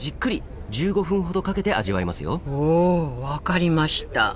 おお分かりました。